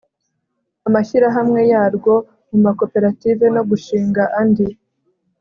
amashyirahamwe yarwo mu makoperative no gushinga andi